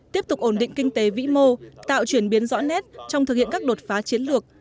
tiếp tục ổn định kinh tế vĩ mô tạo chuyển biến rõ nét trong thực hiện các đột phá chiến lược